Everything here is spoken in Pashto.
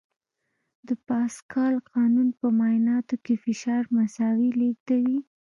د پاسکال قانون په مایعاتو کې فشار مساوي لېږدوي.